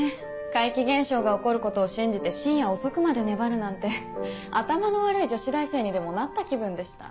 怪奇現象が起こることを信じて深夜遅くまで粘るなんて頭の悪い女子大生にでもなった気分でした。